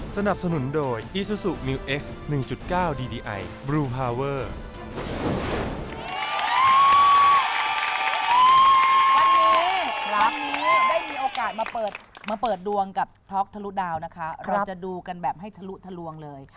วันนี้ได้มีโอกาสมาเปิดดวงกับท็อคทะลุดาวนะคะเราจะดูกันแบบให้ทะลุทะลวงเลย